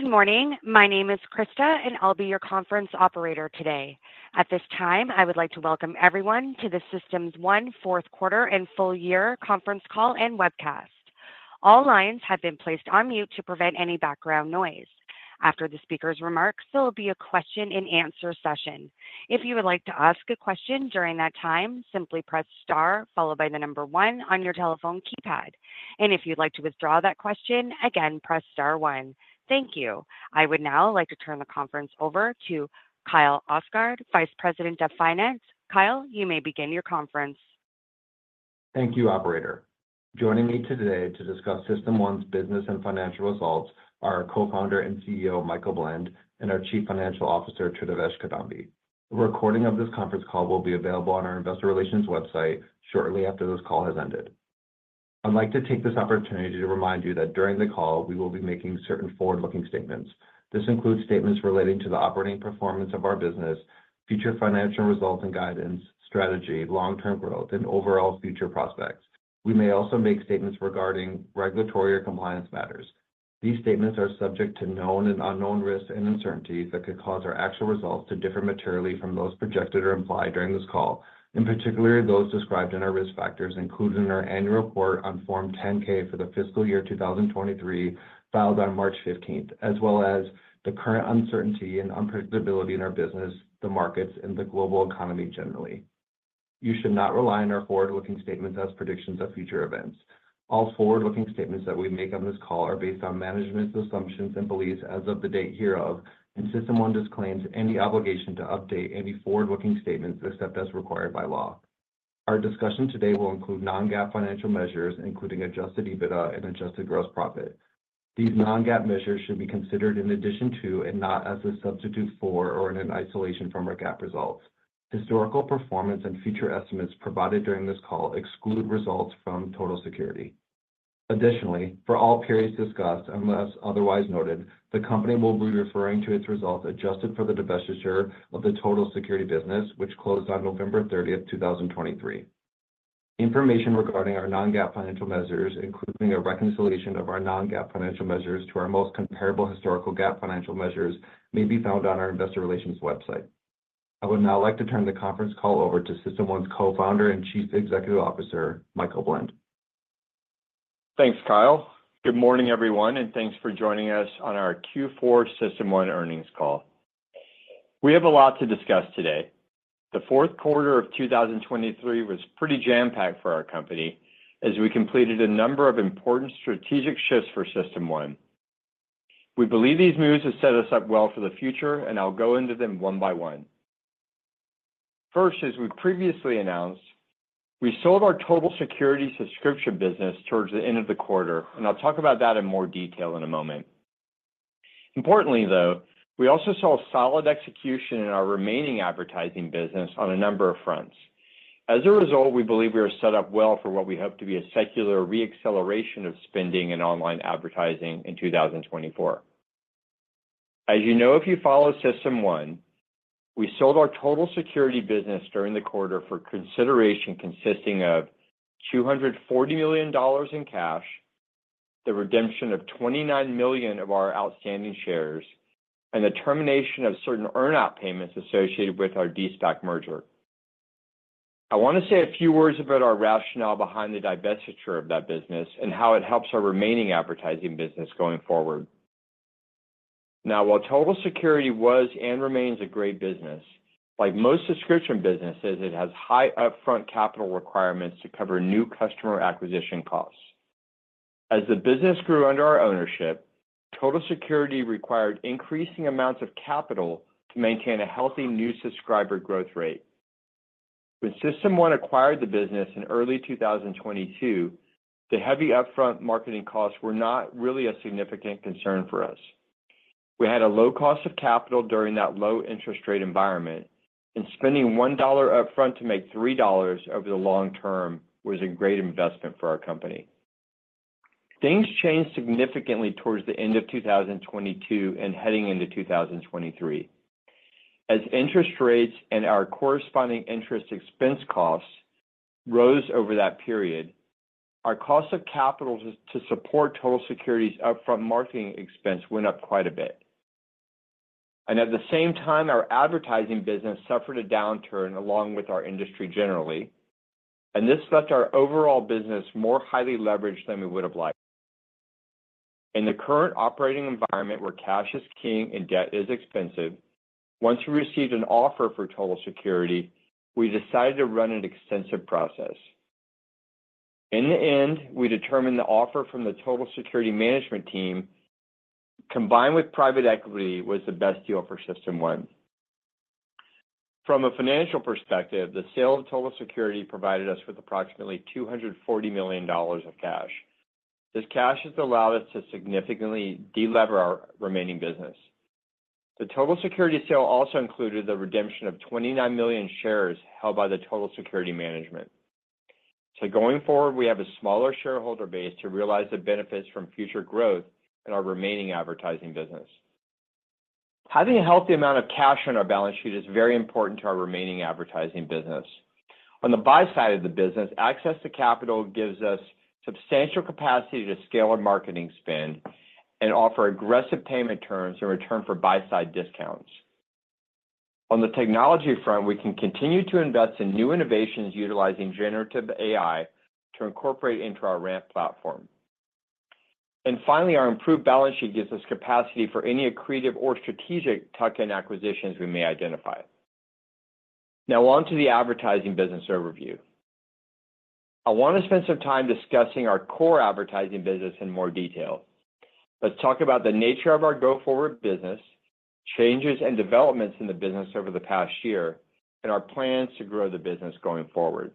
Good morning. My name is Krista, and I'll be your conference operator today. At this time, I would like to welcome everyone to the System1 fourth quarter and full year conference call and webcast. All lines have been placed on mute to prevent any background noise. After the speaker's remarks, there will be a question-and-answer session. If you would like to ask a question during that time, simply press star followed by the number one on your telephone keypad. If you'd like to withdraw that question, again, press star one. Thank you. I would now like to turn the conference over to Kyle Ostgaard, Vice President of Finance. Kyle, you may begin your conference. Thank you, operator. Joining me today to discuss System1's business and financial results are our co-founder and CEO, Michael Blend, and our Chief Financial Officer, Tridivesh Kidambi. A recording of this conference call will be available on our investor relations website shortly after this call has ended. I'd like to take this opportunity to remind you that during the call, we will be making certain forward-looking statements. This includes statements relating to the operating performance of our business, future financial results and guidance, strategy, long-term growth, and overall future prospects. We may also make statements regarding regulatory or compliance matters. These statements are subject to known and unknown risks and uncertainties that could cause our actual results to differ materially from those projected or implied during this call, and particularly those described in our risk factors included in our annual report on Form 10-K for the fiscal year 2023, filed on March 15, as well as the current uncertainty and unpredictability in our business, the markets, and the global economy generally. You should not rely on our forward-looking statements as predictions of future events. All forward-looking statements that we make on this call are based on management's assumptions and beliefs as of the date hereof, and System1 disclaims any obligation to update any forward-looking statements except as required by law. Our discussion today will include non-GAAP financial measures, including Adjusted EBITDA and Adjusted Gross Profit. These non-GAAP measures should be considered in addition to and not as a substitute for or in isolation from our GAAP results. Historical performance and future estimates provided during this call exclude results from Total Security. Additionally, for all periods discussed, unless otherwise noted, the company will be referring to its results adjusted for the divestiture of the Total Security business, which closed on November 30, 2023. Information regarding our non-GAAP financial measures, including a reconciliation of our non-GAAP financial measures to our most comparable historical GAAP financial measures, may be found on our investor relations website. I would now like to turn the conference call over to System1's Co-founder and Chief Executive Officer, Michael Blend. Thanks, Kyle. Good morning, everyone, and thanks for joining us on our Q4 System1 earnings call. We have a lot to discuss today. The fourth quarter of 2023 was pretty jam-packed for our company as we completed a number of important strategic shifts for System1. We believe these moves have set us up well for the future, and I'll go into them one by one. First, as we previously announced, we sold our Total Security subscription business towards the end of the quarter, and I'll talk about that in more detail in a moment. Importantly, though, we also saw solid execution in our remaining advertising business on a number of fronts. As a result, we believe we are set up well for what we hope to be a secular re-acceleration of spending in online advertising in 2024. As you know, if you follow System1, we sold our Total Security business during the quarter for consideration consisting of $240 million in cash, the redemption of 29 million of our outstanding shares, and the termination of certain earn-out payments associated with our de-SPAC merger. I want to say a few words about our rationale behind the divestiture of that business and how it helps our remaining advertising business going forward. Now, while Total Security was and remains a great business, like most subscription businesses, it has high upfront capital requirements to cover new customer acquisition costs. As the business grew under our ownership, Total Security required increasing amounts of capital to maintain a healthy new subscriber growth rate. When System1 acquired the business in early 2022, the heavy upfront marketing costs were not really a significant concern for us. We had a low cost of capital during that low interest rate environment, and spending $1 upfront to make $3 over the long term was a great investment for our company. Things changed significantly towards the end of 2022 and heading into 2023. As interest rates and our corresponding interest expense costs rose over that period, our cost of capital to support Total Security's upfront marketing expense went up quite a bit. At the same time, our advertising business suffered a downturn, along with our industry generally, and this left our overall business more highly leveraged than we would have liked. In the current operating environment, where cash is king and debt is expensive, once we received an offer for Total Security, we decided to run an extensive process. In the end, we determined the offer from the Total Security management team, combined with private equity, was the best deal for System1. From a financial perspective, the sale of Total Security provided us with approximately $240 million of cash. This cash has allowed us to significantly de-lever our remaining business. The Total Security sale also included the redemption of 29 million shares held by the Total Security management. So going forward, we have a smaller shareholder base to realize the benefits from future growth in our remaining advertising business. Having a healthy amount of cash on our balance sheet is very important to our remaining advertising business. On the buy side of the business, access to capital gives us substantial capacity to scale our marketing spend and offer aggressive payment terms in return for buy-side discounts. On the technology front, we can continue to invest in new innovations utilizing generative AI to incorporate into our RAMP platform. Finally, our improved balance sheet gives us capacity for any accretive or strategic tuck-in acquisitions we may identify. Now on to the advertising business overview. I want to spend some time discussing our core advertising business in more detail. Let's talk about the nature of our go-forward business, changes and developments in the business over the past year, and our plans to grow the business going forward.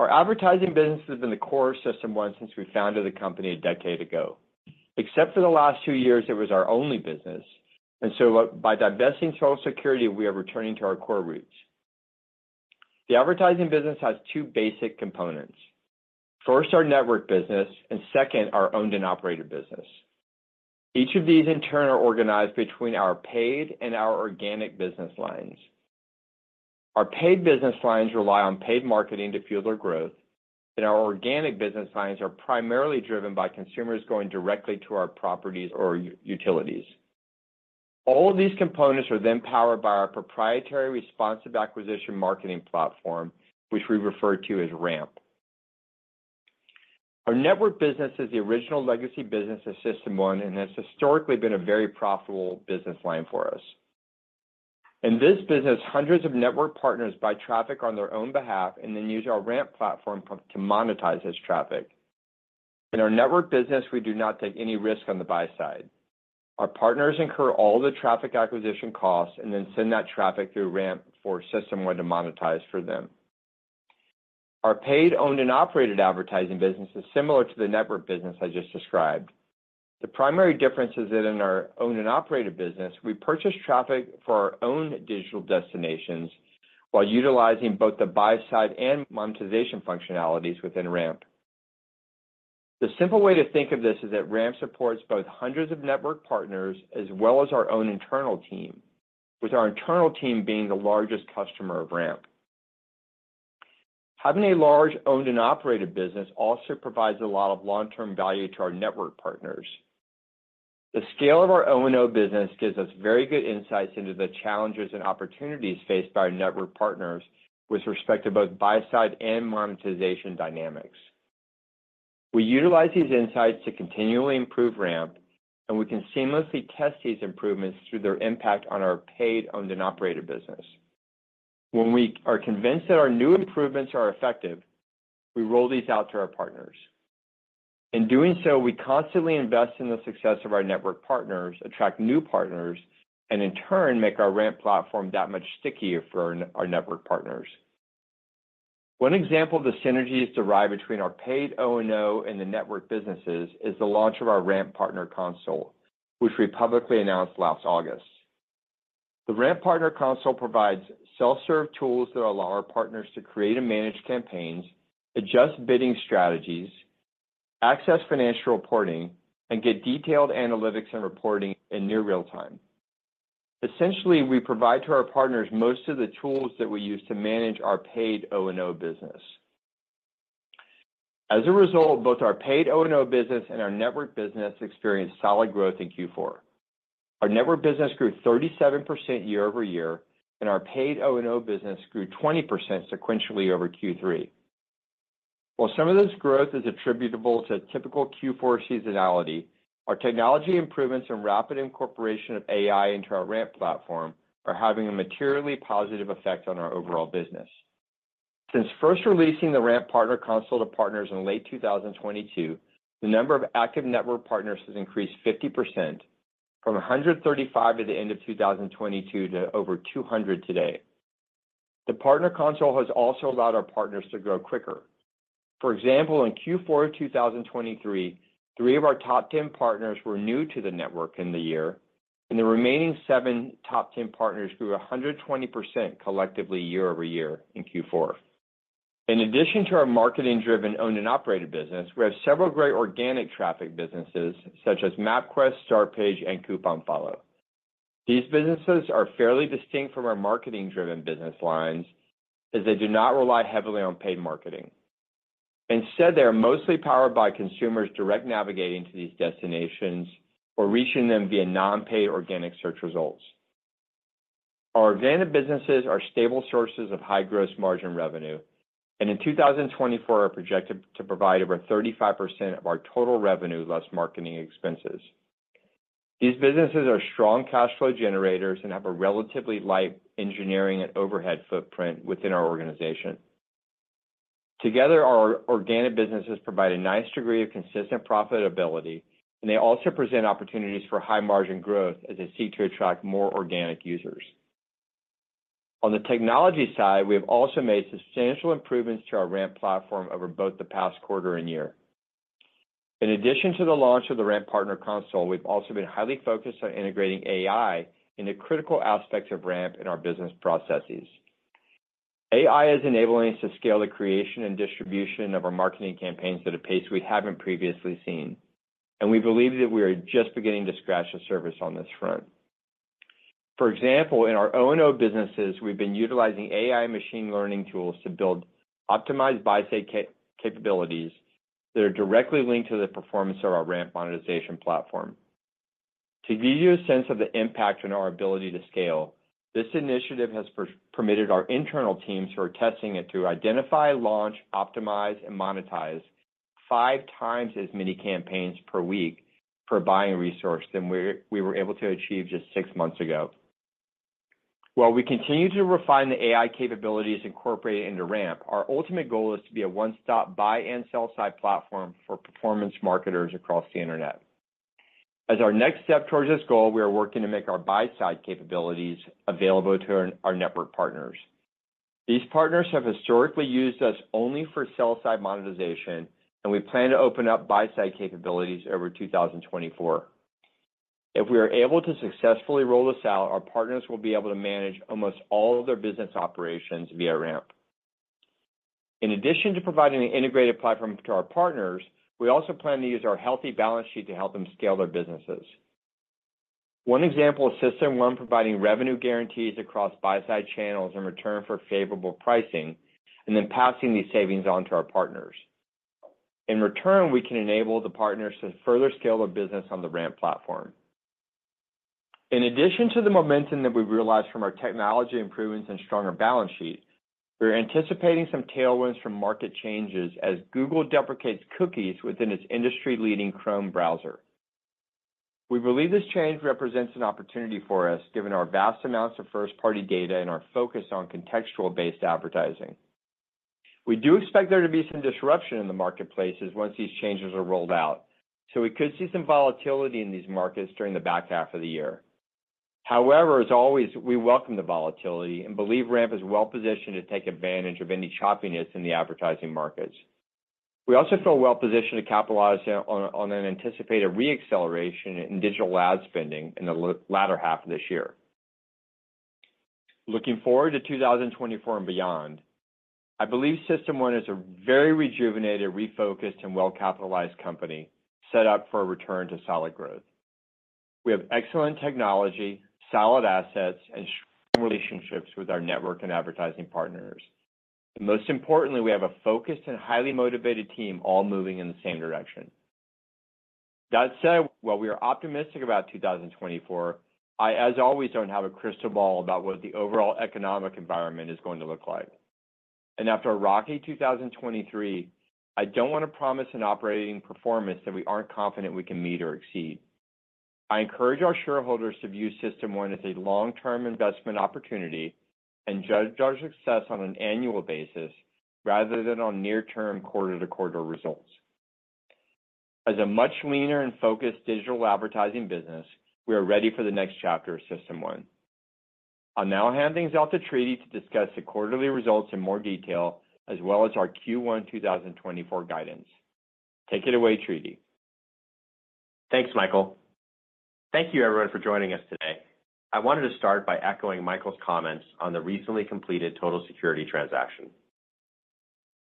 Our advertising business has been the core of System1 since we founded the company a decade ago. Except for the last two years, it was our only business, and so by divesting Total Security, we are returning to our core roots. The advertising business has two basic components. First, our network business, and second, our owned and operated business. Each of these, in turn, are organized between our paid and our organic business lines. Our paid business lines rely on paid marketing to fuel their growth, and our organic business lines are primarily driven by consumers going directly to our properties or utilities. All of these components are then powered by our proprietary responsive acquisition marketing platform, which we refer to as RAMP. Our network business is the original legacy business of System1, and has historically been a very profitable business line for us. In this business, hundreds of network partners buy traffic on their own behalf and then use our RAMP platform to monetize this traffic. In our network business, we do not take any risk on the buy-side. Our partners incur all the traffic acquisition costs and then send that traffic through RAMP for System1 to monetize for them. Our paid, owned, and operated advertising business is similar to the network business I just described. The primary difference is that in our owned and operated business, we purchase traffic for our own digital destinations while utilizing both the buy side and monetization functionalities within RAMP. The simple way to think of this is that RAMP supports both hundreds of network partners as well as our own internal team, with our internal team being the largest customer of RAMP. Having a large owned and operated business also provides a lot of long-term value to our network partners. The scale of our O&O business gives us very good insights into the challenges and opportunities faced by our network partners with respect to both buy side and monetization dynamics. We utilize these insights to continually improve RAMP, and we can seamlessly test these improvements through their impact on our paid, owned, and operated business. When we are convinced that our new improvements are effective, we roll these out to our partners. In doing so, we constantly invest in the success of our network partners, attract new partners, and in turn, make our RAMP platform that much stickier for our network partners. One example of the synergies derived between our paid O&O and the network businesses is the launch of our RAMP Partner Console, which we publicly announced last August. The RAMP Partner Console provides self-serve tools that allow our partners to create and manage campaigns, adjust bidding strategies, access financial reporting, and get detailed analytics and reporting in near real time. Essentially, we provide to our partners most of the tools that we use to manage our paid O&O business. As a result, both our paid O&O business and our network business experienced solid growth in Q4. Our network business grew 37% year over year, and our paid O&O business grew 20% sequentially over Q3. While some of this growth is attributable to typical Q4 seasonality, our technology improvements and rapid incorporation of AI into our RAMP platform are having a materially positive effect on our overall business. Since first releasing the RAMP Partner Console to partners in late 2022, the number of active network partners has increased 50%, from 135 at the end of 2022 to over 200 today. The Partner Console has also allowed our partners to grow quicker. For example, in Q4 of 2023, three of our top 10 partners were new to the network in the year, and the remaining seven top 10 partners grew 120% collectively year-over-year in Q4. In addition to our marketing-driven, owned, and operated business, we have several great organic traffic businesses, such as MapQuest, Startpage, and CouponFollow. These businesses are fairly distinct from our marketing-driven business lines, as they do not rely heavily on paid marketing. Instead, they are mostly powered by consumers direct navigating to these destinations or reaching them via non-paid organic search results. Our organic businesses are stable sources of high gross margin revenue, and in 2024, are projected to provide over 35% of our total revenue, less marketing expenses. These businesses are strong cash flow generators and have a relatively light engineering and overhead footprint within our organization. Together, our organic businesses provide a nice degree of consistent profitability, and they also present opportunities for high margin growth as they seek to attract more organic users. On the technology side, we have also made substantial improvements to our RAMP platform over both the past quarter and year. In addition to the launch of the RAMP Partner Console, we've also been highly focused on integrating AI into critical aspects of RAMP in our business processes. AI is enabling us to scale the creation and distribution of our marketing campaigns at a pace we haven't previously seen, and we believe that we are just beginning to scratch the surface on this front. For example, in our O&O businesses, we've been utilizing AI machine learning tools to build optimized buy-side capabilities that are directly linked to the performance of our RAMP monetization platform. To give you a sense of the impact on our ability to scale, this initiative has permitted our internal teams who are testing it to identify, launch, optimize, and monetize five times as many campaigns per week per buying resource than we were, we were able to achieve just six months ago. While we continue to refine the AI capabilities incorporated into RAMP, our ultimate goal is to be a one-stop buy and sell side platform for performance marketers across the internet. As our next step towards this goal, we are working to make our buy side capabilities available to our, our network partners. These partners have historically used us only for sell-side monetization, and we plan to open up buy-side capabilities over 2024. If we are able to successfully roll this out, our partners will be able to manage almost all of their business operations via RAMP. In addition to providing an integrated platform to our partners, we also plan to use our healthy balance sheet to help them scale their businesses. One example is System1 providing revenue guarantees across buy-side channels in return for favorable pricing, and then passing these savings on to our partners. In return, we can enable the partners to further scale their business on the RAMP platform. In addition to the momentum that we've realized from our technology improvements and stronger balance sheet, we are anticipating some tailwinds from market changes as Google deprecates cookies within its industry-leading Chrome browser. We believe this change represents an opportunity for us, given our vast amounts of first-party data and our focus on contextual-based advertising. We do expect there to be some disruption in the marketplaces once these changes are rolled out, so we could see some volatility in these markets during the back half of the year. However, as always, we welcome the volatility and believe RAMP is well positioned to take advantage of any choppiness in the advertising markets. We also feel well positioned to capitalize on an anticipated re-acceleration in digital ad spending in the latter half of this year. Looking forward to 2024 and beyond, I believe System1 is a very rejuvenated, refocused, and well-capitalized company, set up for a return to solid growth. We have excellent technology, solid assets, and strong relationships with our network and advertising partners. Most importantly, we have a focused and highly motivated team, all moving in the same direction. That said, while we are optimistic about 2024, I, as always, don't have a crystal ball about what the overall economic environment is going to look like. After a rocky 2023, I don't want to promise an operating performance that we aren't confident we can meet or exceed. I encourage our shareholders to view System1 as a long-term investment opportunity and judge our success on an annual basis rather than on near-term, quarter-to-quarter results. As a much leaner and focused digital advertising business, we are ready for the next chapter of System1. I'll now hand things off to Tridivesh to discuss the quarterly results in more detail, as well as our Q1 2024 guidance. Take it away, Tridivesh. Thanks, Michael. Thank you everyone for joining us today. I wanted to start by echoing Michael's comments on the recently completed Total Security transaction.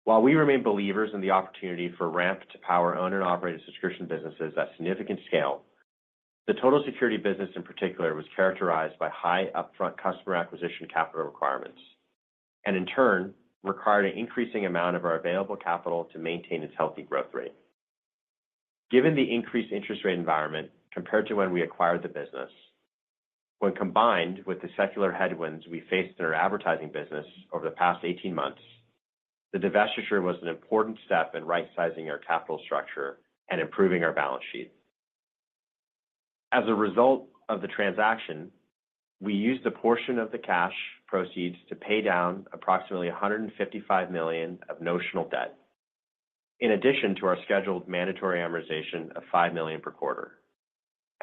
While we remain believers in the opportunity for RAMP to power owned and operated subscription businesses at significant scale, the Total Security business in particular, was characterized by high upfront customer acquisition capital requirements, and in turn required an increasing amount of our available capital to maintain its healthy growth rate. Given the increased interest rate environment compared to when we acquired the business, when combined with the secular headwinds we faced in our advertising business over the past 18 months, the divestiture was an important step in right-sizing our capital structure and improving our balance sheet. As a result of the transaction, we used a portion of the cash proceeds to pay down approximately $155 million of notional debt, in addition to our scheduled mandatory amortization of $5 million per quarter.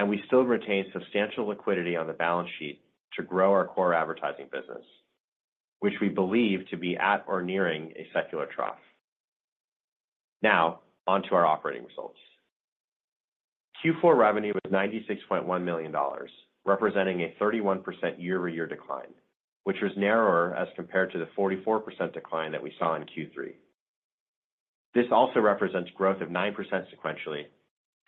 We still retain substantial liquidity on the balance sheet to grow our core advertising business, which we believe to be at or nearing a secular trough. Now, on to our operating results. Q4 revenue was $96.1 million, representing a 31% year-over-year decline, which was narrower as compared to the 44% decline that we saw in Q3. This also represents growth of 9% sequentially,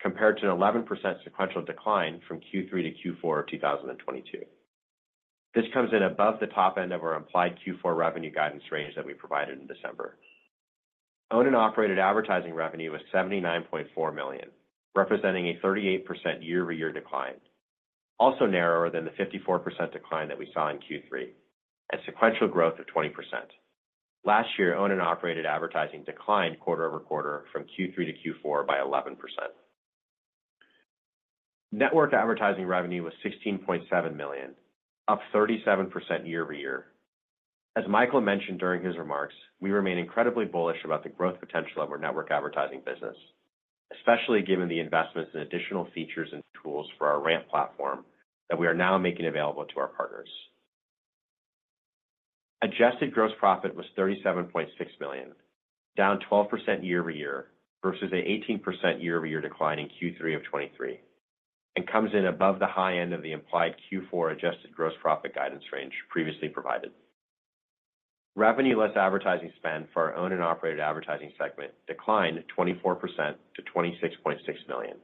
compared to an 11% sequential decline from Q3 to Q4 of 2022. This comes in above the top end of our implied Q4 revenue guidance range that we provided in December. Owned and operated advertising revenue was $79.4 million, representing a 38% year-over-year decline, also narrower than the 54% decline that we saw in Q3, and sequential growth of 20%. Last year, owned and operated advertising declined quarter-over-quarter from Q3 to Q4 by 11%. Networked advertising revenue was $16.7 million, up 37% year-over-year. As Michael mentioned during his remarks, we remain incredibly bullish about the growth potential of our network advertising business, especially given the investments in additional features and tools for our RAMP platform that we are now making available to our partners. Adjusted gross profit was $37.6 million, down 12% year-over-year, versus an 18% year-over-year decline in Q3 of 2023.... and comes in above the high end of the implied Q4 adjusted gross profit guidance range previously provided. Revenue less advertising spend for our owned and operated advertising segment declined 24% to $26.6 million,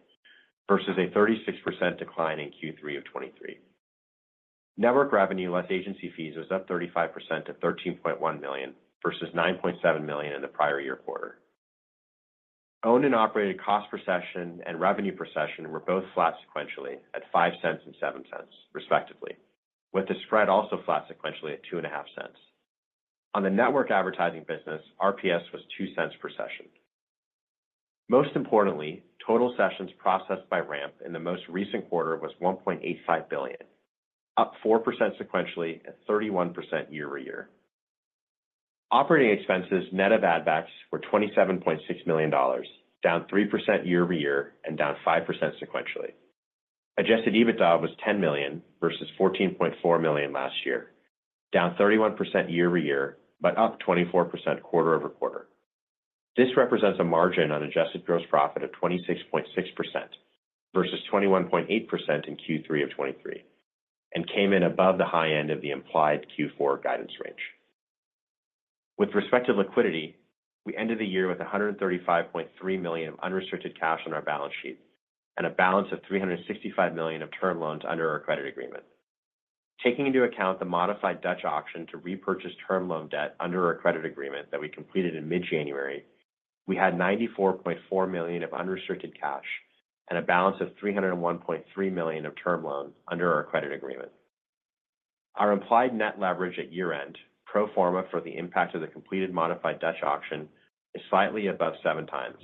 versus a 36% decline in Q3 of 2023. Network revenue less agency fees was up 35% to $13.1 million versus $9.7 million in the prior year quarter. Owned and operated cost per session and revenue per session were both flat sequentially at $0.05 and $0.07, respectively, with the spread also flat sequentially at $0.025. On the network advertising business, RPS was $0.02 per session. Most importantly, total sessions processed by RAMP in the most recent quarter was 1.85 billion, up 4% sequentially and 31% year-over-year. Operating expenses, net of add-backs, were $27.6 million, down 3% year-over-year and down 5% sequentially. Adjusted EBITDA was $10 million versus $14.4 million last year, down 31% year-over-year, but up 24% quarter-over-quarter. This represents a margin on adjusted gross profit of 26.6% versus 21.8% in Q3 of 2023, and came in above the high end of the implied Q4 guidance range. With respect to liquidity, we ended the year with $135.3 million of unrestricted cash on our balance sheet and a balance of $365 million of term loans under our credit agreement. Taking into account the modified Dutch auction to repurchase term loan debt under our credit agreement that we completed in mid-January, we had $94.4 million of unrestricted cash and a balance of $301.3 million of term loans under our credit agreement. Our implied net leverage at year-end, pro forma for the impact of the completed modified Dutch auction, is slightly above 7 times.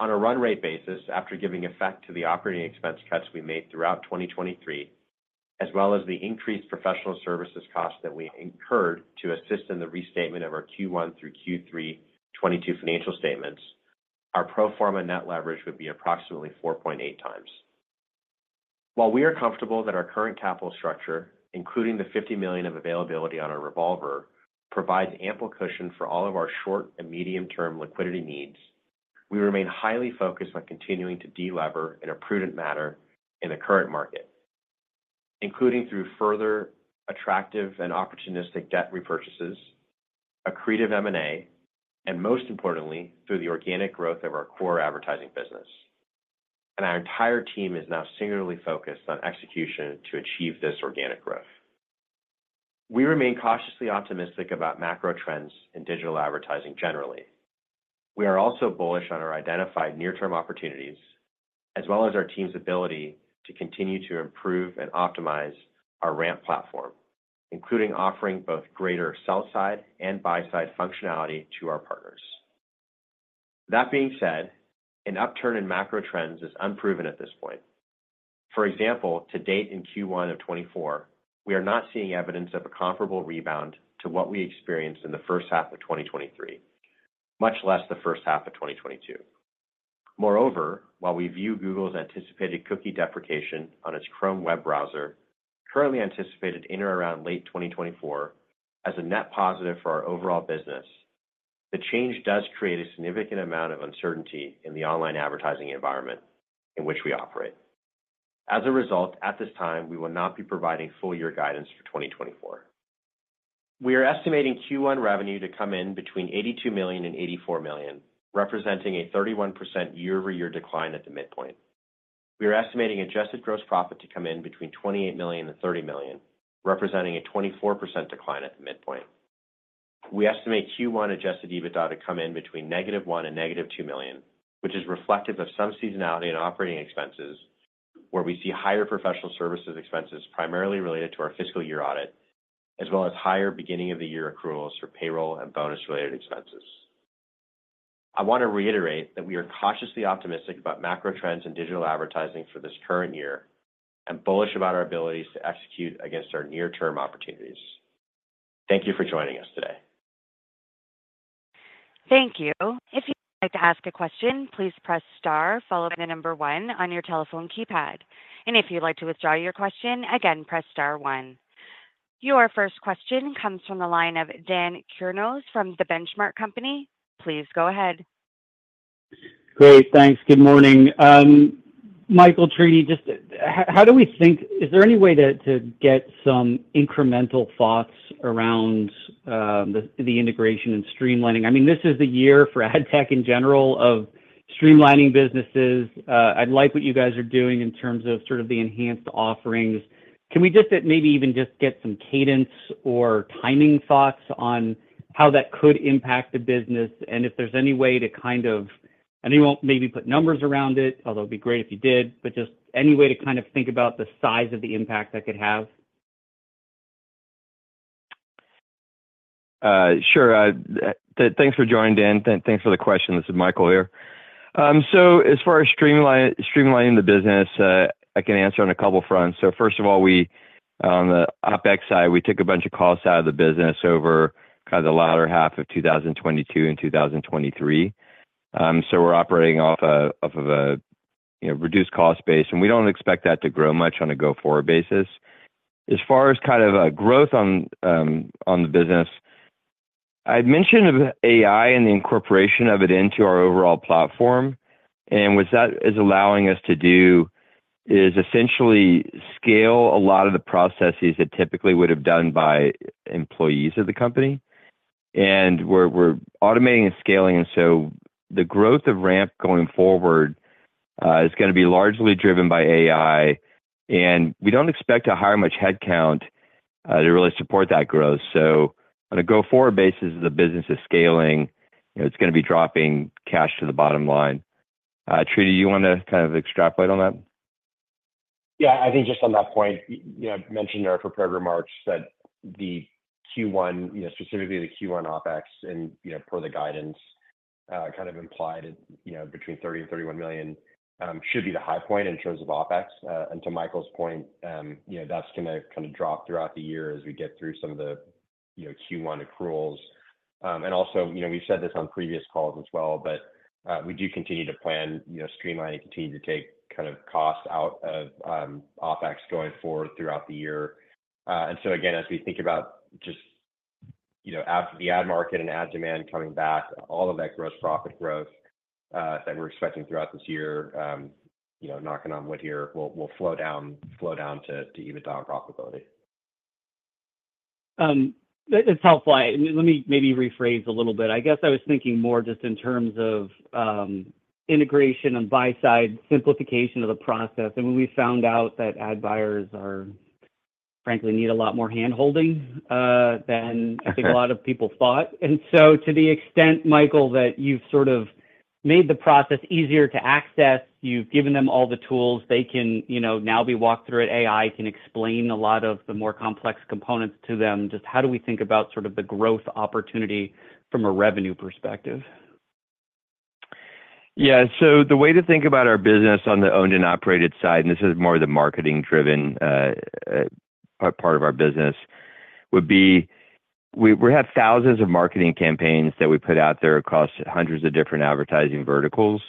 On a run rate basis, after giving effect to the operating expense cuts we made throughout 2023, as well as the increased professional services costs that we incurred to assist in the restatement of our Q1 through Q3 2022 financial statements, our pro forma net leverage would be approximately 4.8 times. While we are comfortable that our current capital structure, including the $50 million of availability on our revolver, provides ample cushion for all of our short and medium-term liquidity needs, we remain highly focused on continuing to delever in a prudent manner in the current market, including through further attractive and opportunistic debt repurchases, accretive M&A, and most importantly, through the organic growth of our core advertising business. Our entire team is now singularly focused on execution to achieve this organic growth. We remain cautiously optimistic about macro trends in digital advertising generally. We are also bullish on our identified near-term opportunities, as well as our team's ability to continue to improve and optimize our RAMP platform, including offering both greater sell-side and buy-side functionality to our partners. That being said, an upturn in macro trends is unproven at this point. For example, to date in Q1 of 2024, we are not seeing evidence of a comparable rebound to what we experienced in the first half of 2023, much less the first half of 2022. Moreover, while we view Google's anticipated cookie deprecation on its Chrome web browser, currently anticipated in or around late 2024, as a net positive for our overall business, the change does create a significant amount of uncertainty in the online advertising environment in which we operate. As a result, at this time, we will not be providing full year guidance for 2024. We are estimating Q1 revenue to come in between $82 million and $84 million, representing a 31% year-over-year decline at the midpoint. We are estimating adjusted gross profit to come in between $28 million and $30 million, representing a 24% decline at the midpoint. We estimate Q1 Adjusted EBITDA to come in between -$1 million and -$2 million, which is reflective of some seasonality in operating expenses, where we see higher professional services expenses, primarily related to our fiscal year audit, as well as higher beginning of the year accruals for payroll and bonus-related expenses. I want to reiterate that we are cautiously optimistic about macro trends in digital advertising for this current year and bullish about our abilities to execute against our near-term opportunities. Thank you for joining us today. Thank you. If you'd like to ask a question, please press star, followed by the number one on your telephone keypad. And if you'd like to withdraw your question, again, press star one. Your first question comes from the line of Dan Kurnos from The Benchmark Company. Please go ahead. Great. Thanks. Good morning, Michael, Tridi. Just how do we think... Is there any way to get some incremental thoughts around the integration and streamlining? I mean, this is the year for ad tech in general of streamlining businesses. I like what you guys are doing in terms of sort of the enhanced offerings. Can we just maybe even just get some cadence or timing thoughts on how that could impact the business and if there's any way to kind of—I know you won't maybe put numbers around it, although it'd be great if you did, but just any way to kind of think about the size of the impact that could have? Sure. Thanks for joining, Dan. Thanks for the question. This is Michael here. So as far as streamlining the business, I can answer on a couple fronts. So first of all, on the OpEx side, we took a bunch of costs out of the business over kind of the latter half of 2022 and 2023. So we're operating off of a, you know, reduced cost base, and we don't expect that to grow much on a go-forward basis. As far as kind of growth on the business,... I had mentioned of AI and the incorporation of it into our overall platform, and what that is allowing us to do is essentially scale a lot of the processes that typically would have done by employees of the company. And we're automating and scaling, and so the growth of RAMP going forward is gonna be largely driven by AI, and we don't expect to hire much headcount to really support that growth. So on a go-forward basis, as the business is scaling, you know, it's gonna be dropping cash to the bottom line. Tridivesh, do you wanna kind of extrapolate on that? Yeah, I think just on that point, you know, I mentioned our prepared remarks that the Q1, you know, specifically the Q1 OpEx and, you know, per the guidance, kind of implied it, you know, between $30 million and $31 million, should be the high point in terms of OpEx. And to Michael's point, you know, that's gonna kind of drop throughout the year as we get through some of the, you know, Q1 accruals. And also, you know, we've said this on previous calls as well, but, we do continue to plan, you know, streamlining, continue to take kind of costs out of, OpEx going forward throughout the year. and so again, as we think about just, you know, the ad market and ad demand coming back, all of that gross profit growth that we're expecting throughout this year, you know, knocking on wood here, will flow down to EBITDA profitability. It's helpful. Let me maybe rephrase a little bit. I guess I was thinking more just in terms of integration on buy side, simplification of the process. When we found out that ad buyers are, frankly, need a lot more handholding than I think a lot of people thought. So to the extent, Michael, that you've sort of made the process easier to access, you've given them all the tools they can, you know, now be walked through it. AI can explain a lot of the more complex components to them. Just how do we think about sort of the growth opportunity from a revenue perspective? Yeah, so the way to think about our business on the owned and operated side, and this is more the marketing-driven, part of our business, would be we, we have thousands of marketing campaigns that we put out there across hundreds of different advertising verticals,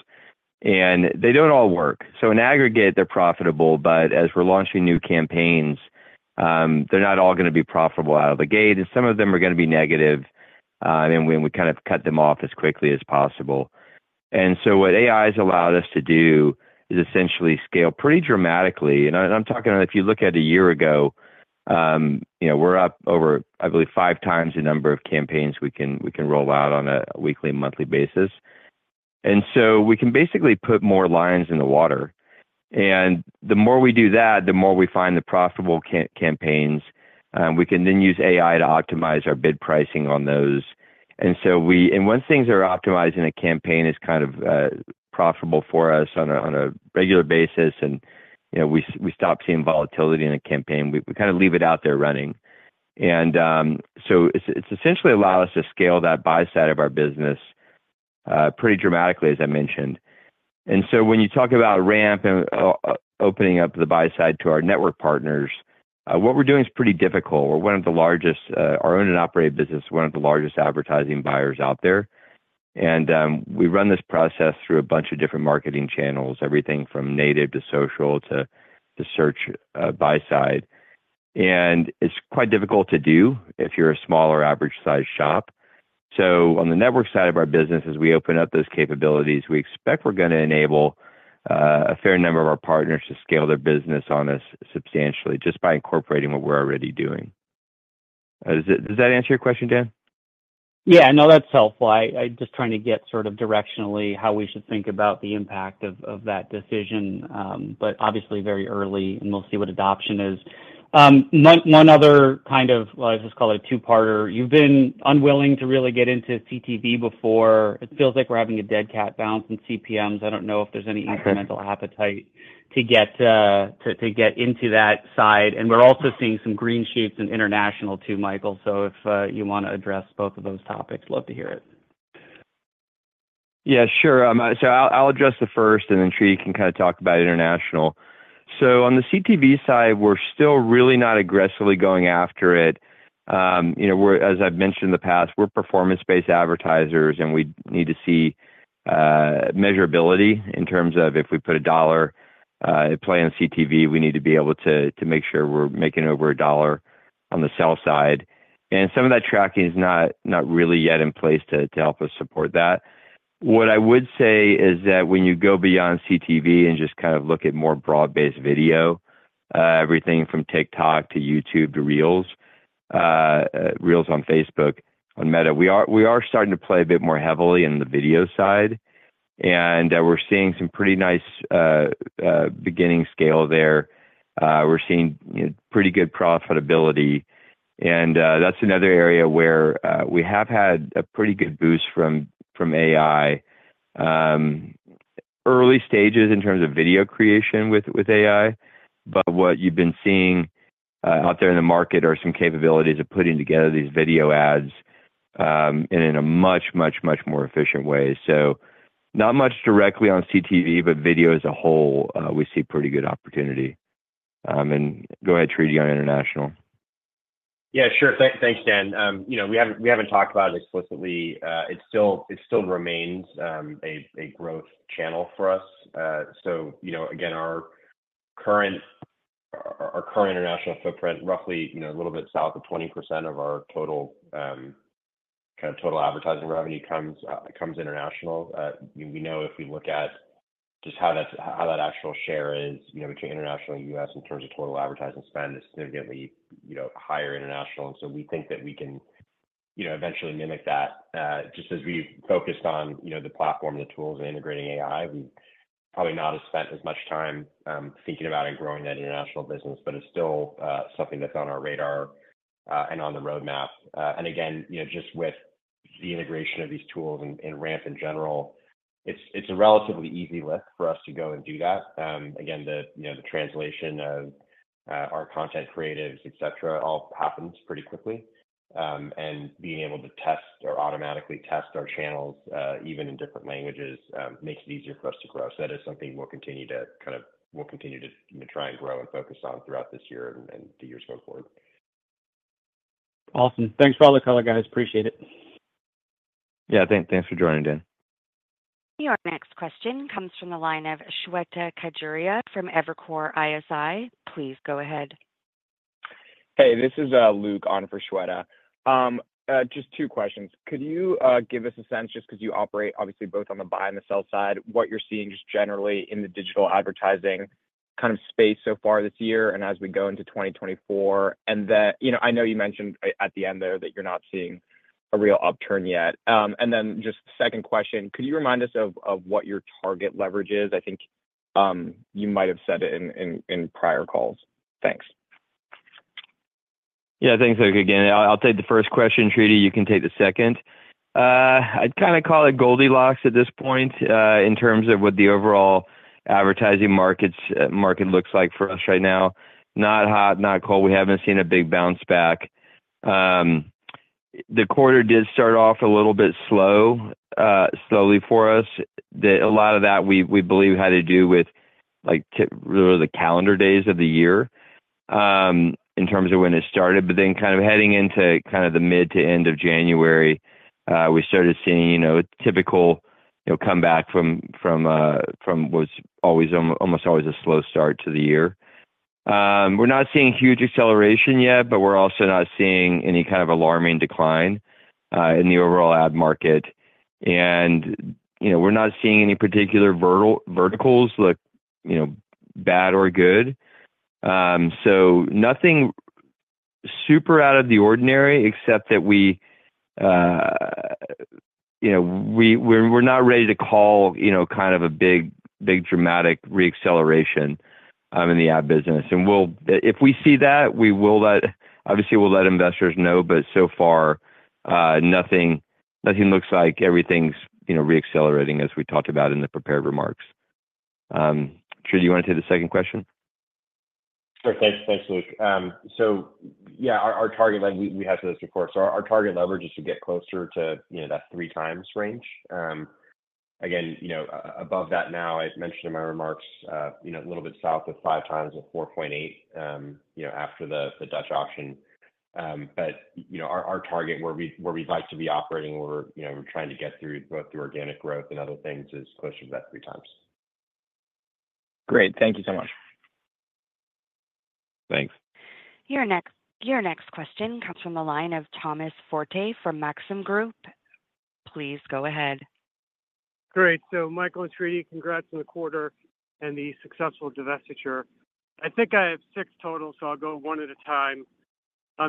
and they don't all work. So in aggregate, they're profitable, but as we're launching new campaigns, they're not all gonna be profitable out of the gate, and some of them are gonna be negative, and then we kind of cut them off as quickly as possible. And so what AI has allowed us to do is essentially scale pretty dramatically. And I'm talking about if you look at a year ago, you know, we're up over, I believe, five times the number of campaigns we can, we can roll out on a weekly, monthly basis. And so we can basically put more lines in the water. And the more we do that, the more we find the profitable campaigns. We can then use AI to optimize our bid pricing on those. And once things are optimized and a campaign is kind of profitable for us on a regular basis, and, you know, we stop seeing volatility in a campaign, we kind of leave it out there running. And so it's essentially allowed us to scale that buy side of our business pretty dramatically, as I mentioned. And so when you talk about RAMP and opening up the buy side to our network partners, what we're doing is pretty difficult. We're one of the largest. Our owned and operated business is one of the largest advertising buyers out there. And we run this process through a bunch of different marketing channels, everything from native, to social, to search, buy side. And it's quite difficult to do if you're a smaller average-sized shop. So on the network side of our business, as we open up those capabilities, we expect we're gonna enable a fair number of our partners to scale their business on us substantially just by incorporating what we're already doing. Does that, does that answer your question, Dan? Yeah. No, that's helpful. I just trying to get sort of directionally how we should think about the impact of that decision, but obviously very early, and we'll see what adoption is. One other kind of, let's just call it a two-parter. You've been unwilling to really get into CTV before. It feels like we're having a dead cat bounce in CPMs. I don't know if there's any incremental appetite- Okay... to get, to, to get into that side. And we're also seeing some green shoots in international too, Michael. So if you wanna address both of those topics, love to hear it. Yeah, sure. So I'll address the first, and then Tridivesh can kinda talk about international. So on the CTV side, we're still really not aggressively going after it. You know, we're, as I've mentioned in the past, we're performance-based advertisers, and we need to see measurability in terms of if we put $1 at play on CTV, we need to be able to make sure we're making over $1 on the sell side. And some of that tracking is not really yet in place to help us support that. What I would say is that when you go beyond CTV and just kind of look at more broad-based video, everything from TikTok to YouTube to Reels, Reels on Facebook, on Meta, we are, we are starting to play a bit more heavily in the video side, and, we're seeing some pretty nice, beginning scale there. We're seeing, you know, pretty good profitability, and, that's another area where, we have had a pretty good boost from, from AI. Early stages in terms of video creation with, with AI, but what you've been seeing, out there in the market are some capabilities of putting together these video ads, and in a much, much, much more efficient way. So not much directly on CTV, but video as a whole, we see pretty good opportunity. Go ahead, Tridi, on international. Yeah, sure. Thanks, Dan. You know, we haven't talked about it explicitly. It still remains a growth channel for us. So you know, again, our current international footprint, roughly, you know, a little bit south of 20% of our total kind of total advertising revenue comes international. We know if we look at just how that actual share is, you know, between international and U.S. in terms of total advertising spend, is significantly, you know, higher international. And so we think that we can, you know, eventually mimic that. Just as we focused on, you know, the platform, the tools, and integrating AI, we probably not have spent as much time thinking about and growing that international business, but it's still something that's on our radar and on the roadmap. And again, you know, just with the integration of these tools and RAMP in general, it's a relatively easy lift for us to go and do that. Again, you know, the translation of our content creatives, et cetera, all happens pretty quickly. And being able to test or automatically test our channels, even in different languages, makes it easier for us to grow. So that is something we'll continue to kind of... we'll continue to, you know, try and grow and focus on throughout this year and the years going forward. Awesome. Thanks for all the color, guys. Appreciate it. Yeah. Thanks for joining in. Your next question comes from the line of Shweta Khajuria from Evercore ISI. Please go ahead. Hey, this is Luke on for Shweta. Just two questions. Could you give us a sense, just because you operate obviously both on the buy and the sell side, what you're seeing just generally in the digital advertising kind of space so far this year and as we go into 2024? And then, you know, I know you mentioned at the end there that you're not seeing a real upturn yet. And then just second question, could you remind us of what your target leverage is? I think you might have said it in prior calls. Thanks. Yeah. Thanks, Luke. Again, I'll take the first question, Tridi, you can take the second. I'd kind of call it Goldilocks at this point, in terms of what the overall advertising markets, market looks like for us right now. Not hot, not cold. We haven't seen a big bounce back. The quarter did start off a little bit slow, slowly for us. A lot of that we, we believe had to do with, like, the calendar days of the year, in terms of when it started. But then kind of heading into kind of the mid to end of January, we started seeing, you know, typical, you know, comeback from what was always almost always a slow start to the year. We're not seeing huge acceleration yet, but we're also not seeing any kind of alarming decline in the overall ad market. And, you know, we're not seeing any particular verticals look, you know, bad or good. So nothing super out of the ordinary except that we, you know, we're not ready to call, you know, kind of a big, big dramatic re-acceleration in the ad business. If we see that, we will obviously let investors know, but so far, nothing looks like everything's, you know, re-accelerating as we talked about in the prepared remarks. Tridivesh, you want to take the second question? Sure. Thanks. Thanks, Luke. So yeah, our target, like we had this before, so our target leverage is to get closer to, you know, that 3x range. Again, you know, above that now, I mentioned in my remarks, you know, a little bit south of 5x at 4.8, you know, after the Dutch Auction. But, you know, our target where we, where we'd like to be operating, where, you know, we're trying to get through both through organic growth and other things, is closer to that 3x. Great. Thank you so much. Thanks. Your next question comes from the line of Thomas Forte from Maxim Group. Please go ahead. Great. So Michael and Tridivesh, congrats on the quarter and the successful divestiture. I think I have six total, so I'll go one at a time.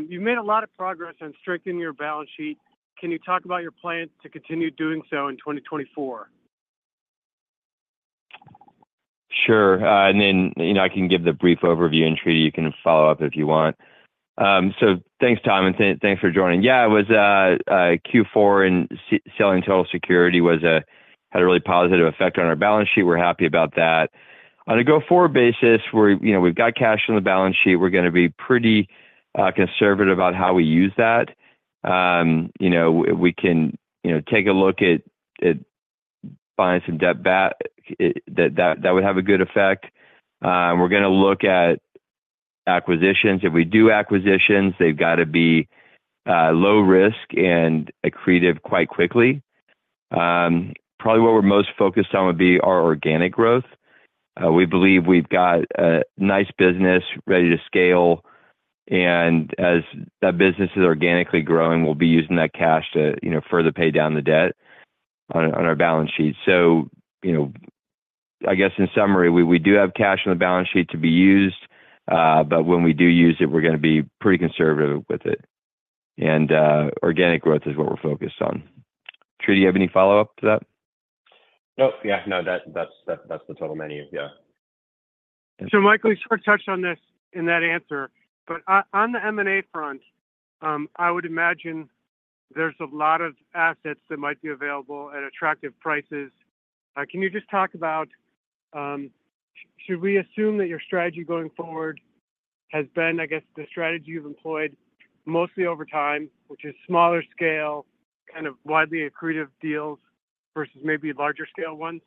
You've made a lot of progress on strengthening your balance sheet. Can you talk about your plans to continue doing so in 2024? Sure. And then, you know, I can give the brief overview, and Tridivesh, you can follow up if you want. Thanks, Tom, and thanks for joining. Yeah, it was Q4 and selling Total Security had a really positive effect on our balance sheet. We're happy about that. On a go-forward basis, we're, you know, we've got cash on the balance sheet. We're gonna be pretty conservative about how we use that. You know, we can, you know, take a look at buying some debt back. That would have a good effect. We're gonna look at acquisitions. If we do acquisitions, they've got to be low risk and accretive quite quickly. Probably what we're most focused on would be our organic growth. We believe we've got a nice business ready to scale, and as that business is organically growing, we'll be using that cash to, you know, further pay down the debt on our balance sheet. So, you know, I guess in summary, we do have cash on the balance sheet to be used, but when we do use it, we're gonna be pretty conservative with it. And organic growth is what we're focused on. Tridivesh, do you have any follow-up to that? Nope. Yeah, no, that's the total menu. Yeah. So Michael, you sort of touched on this in that answer, but on the M&A front, I would imagine there's a lot of assets that might be available at attractive prices. Can you just talk about... Should we assume that your strategy going forward has been, I guess, the strategy you've employed mostly over time, which is smaller scale, kind of widely accretive deals versus maybe larger scale ones?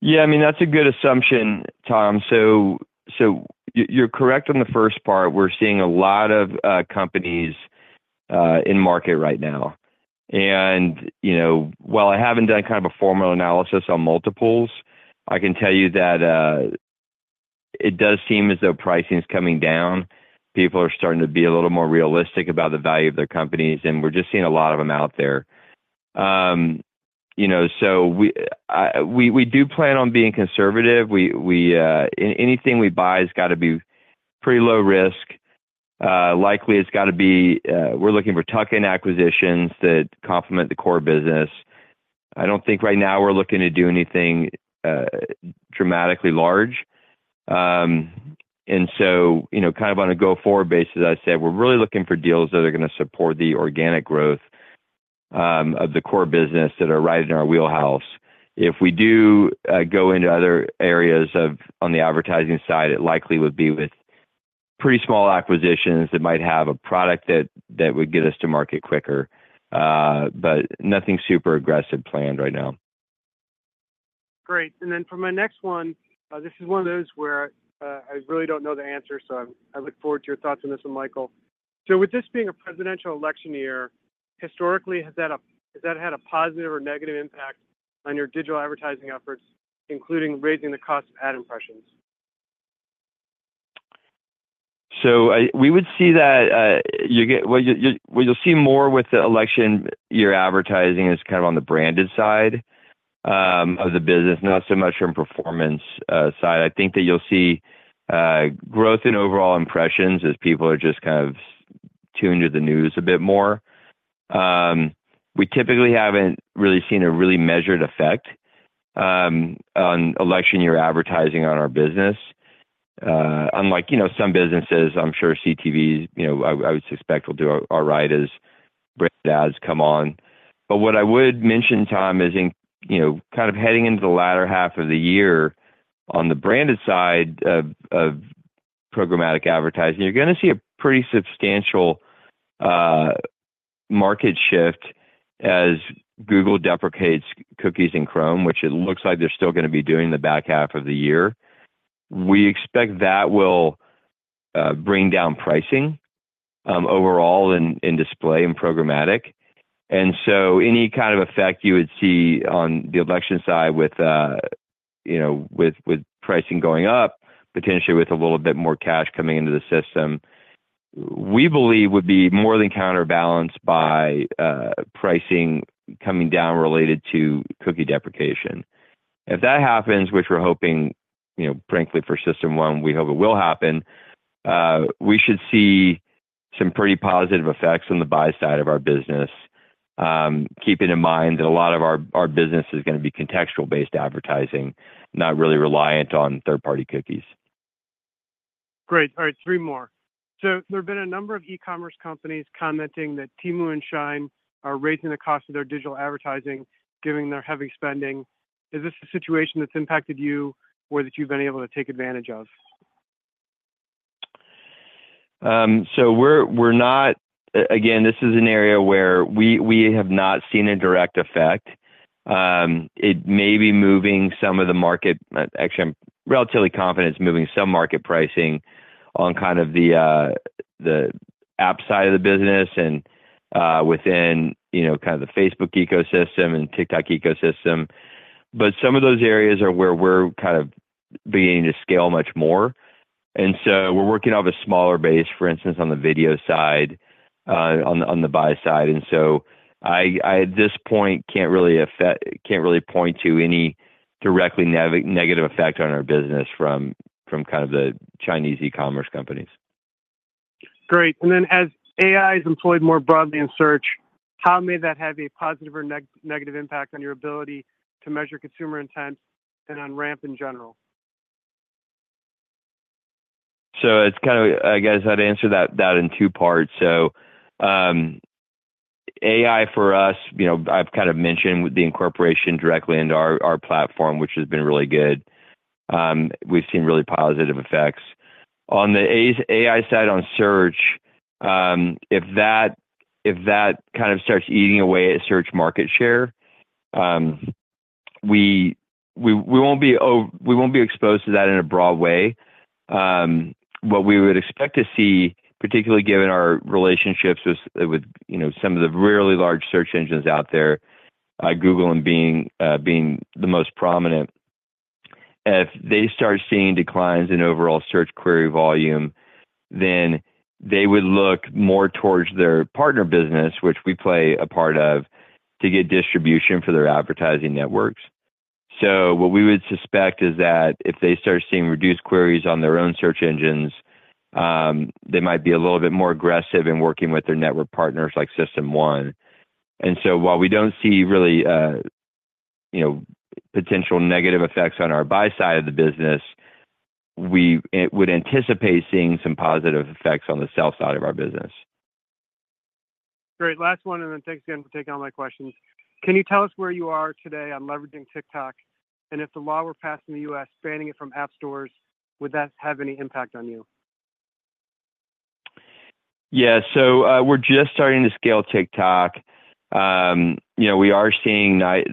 Yeah, I mean, that's a good assumption, Tom. So you're correct on the first part. We're seeing a lot of companies in market right now. And, you know, while I haven't done kind of a formal analysis on multiples, I can tell you that it does seem as though pricing is coming down. People are starting to be a little more realistic about the value of their companies, and we're just seeing a lot of them out there. You know, so we do plan on being conservative. Anything we buy has got to be pretty low risk. Likely, it's got to be, we're looking for tuck-in acquisitions that complement the core business. I don't think right now we're looking to do anything dramatically large. and so, you know, kind of on a go-forward basis, I said we're really looking for deals that are going to support the organic growth of the core business that are right in our wheelhouse. If we do go into other areas of on the advertising side, it likely would be with pretty small acquisitions that might have a product that would get us to market quicker, but nothing super aggressive planned right now. Great. And then for my next one, this is one of those where, I really don't know the answer, so I look forward to your thoughts on this one, Michael. So with this being a presidential election year, historically, has that had a positive or negative impact on your digital advertising efforts, including raising the cost of ad impressions? We would see that what you'll see more with the election year advertising is kind of on the branded side of the business, not so much from performance side. I think that you'll see growth in overall impressions as people are just kind of tuned to the news a bit more. We typically haven't really seen a really measured effect on election year advertising on our business. Unlike, you know, some businesses, I'm sure CTV, you know, I would suspect will do all right as brand ads come on. But what I would mention, Tom, is in, you know, kind of heading into the latter half of the year, on the branded side of programmatic advertising, you're gonna see a pretty substantial market shift as Google deprecates cookies in Chrome, which it looks like they're still gonna be doing the back half of the year. We expect that will bring down pricing overall in display and programmatic. And so any kind of effect you would see on the election side with, you know, pricing going up, potentially with a little bit more cash coming into the system, we believe would be more than counterbalanced by pricing coming down related to cookie deprecation. If that happens, which we're hoping, you know, frankly, for System1, we hope it will happen, we should see some pretty positive effects on the buy side of our business. Keeping in mind that a lot of our business is gonna be contextual-based advertising, not really reliant on third-party cookies. Great. All right, three more. There have been a number of e-commerce companies commenting that Temu and Shein are raising the cost of their digital advertising, giving their heavy spending. Is this a situation that's impacted you or that you've been able to take advantage of? So we're not... Again, this is an area where we have not seen a direct effect. It may be moving some of the market-- actually, I'm relatively confident it's moving some market pricing on kind of the app side of the business and within, you know, kind of the Facebook ecosystem and TikTok ecosystem. But some of those areas are where we're kind of beginning to scale much more, and so we're working off a smaller base, for instance, on the video side, on the buy side. And so I, at this point, can't really point to any directly negative effect on our business from kind of the Chinese e-commerce companies. Great. And then, as AI is employed more broadly in search, how may that have a positive or negative impact on your ability to measure consumer intent and on RAMP in general? So it's kinda, I guess I'd answer that, that in two parts. So, AI, for us, you know, I've kind of mentioned with the incorporation directly into our, our platform, which has been really good. We've seen really positive effects. On the AI side on search, if that, if that kind of starts eating away at search market share, we, we, we won't be exposed to that in a broad way. What we would expect to see, particularly given our relationships with, with, you know, some of the really large search engines out there, Google and Bing, being the most prominent. If they start seeing declines in overall search query volume, then they would look more towards their partner business, which we play a part of, to get distribution for their advertising networks. So what we would suspect is that, if they start seeing reduced queries on their own search engines, they might be a little bit more aggressive in working with their network partners like System1. And so while we don't see really, you know, potential negative effects on our buy-side of the business, we would anticipate seeing some positive effects on the sell-side of our business. Great. Last one, and then thanks again for taking all my questions. Can you tell us where you are today on leveraging TikTok? And if the law were passed in the U.S., banning it from app stores, would that have any impact on you? Yeah. So, we're just starting to scale TikTok. You know, we are seeing that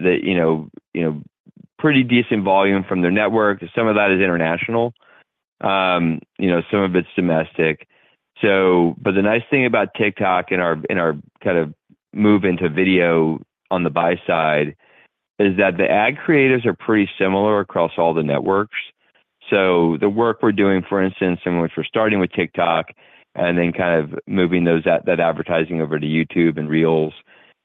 pretty decent volume from their network. Some of that is international, you know, some of it's domestic. So, but the nice thing about TikTok in our, in our kind of move into video on the buy-side is that the ad creatives are pretty similar across all the networks. So the work we're doing, for instance, in which we're starting with TikTok and then kind of moving those that advertising over to YouTube and Reels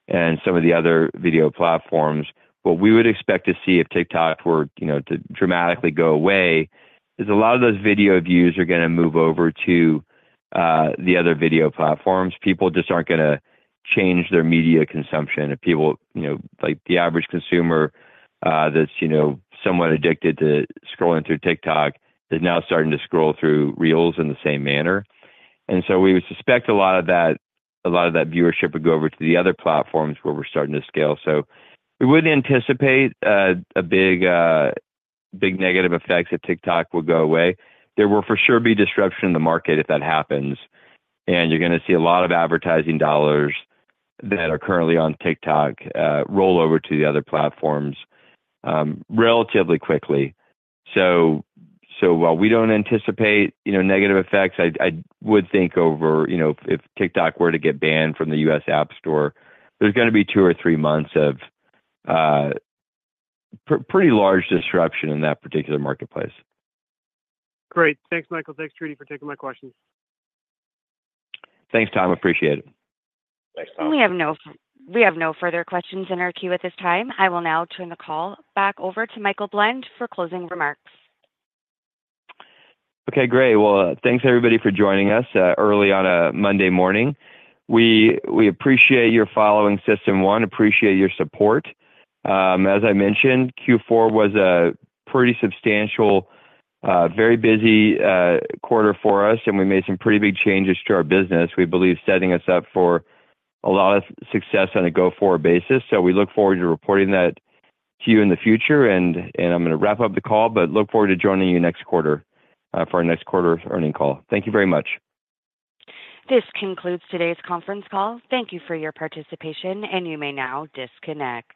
and some of the other video platforms, what we would expect to see if TikTok were, you know, to dramatically go away, is a lot of those video views are gonna move over to the other video platforms. People just aren't gonna change their media consumption. If people, you know, like the average consumer, that's, you know, somewhat addicted to scrolling through TikTok, they're now starting to scroll through Reels in the same manner. And so we would suspect a lot of that, a lot of that viewership would go over to the other platforms where we're starting to scale. So we wouldn't anticipate a big, big negative effects if TikTok would go away. There will for sure be disruption in the market if that happens, and you're gonna see a lot of advertising dollars that are currently on TikTok roll over to the other platforms relatively quickly. While we don't anticipate, you know, negative effects, I would think over, you know, if TikTok were to get banned from the U.S. App Store, there's gonna be two or three months of pretty large disruption in that particular marketplace. Great. Thanks, Michael. Thanks, Tridivesh, for taking my questions. Thanks, Tom. Appreciate it. Thanks, Tom. We have no further questions in our queue at this time. I will now turn the call back over to Michael Blend for closing remarks. Okay, great. Well, thanks, everybody, for joining us early on a Monday morning. We appreciate your following System1, appreciate your support. As I mentioned, Q4 was a pretty substantial, very busy, quarter for us, and we made some pretty big changes to our business. We believe setting us up for a lot of success on a go-forward basis. So we look forward to reporting that to you in the future, and I'm gonna wrap up the call, but look forward to joining you next quarter for our next quarter earnings call. Thank you very much. This concludes today's conference call. Thank you for your participation, and you may now disconnect.